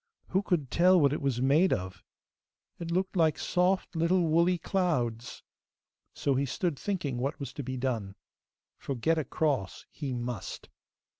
Who could tell what it was made of? It looked like soft little woolly clouds! So he stood thinking what was to be done, for get across he must.